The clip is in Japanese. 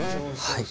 はい。